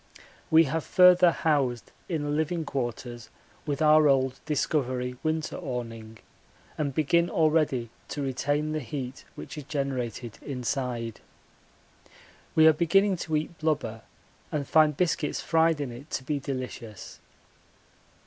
We have further housed in the living quarters with our old Discovery winter awning, and begin already to retain the heat which is generated inside. We are beginning to eat blubber and find biscuits fried in it to be delicious.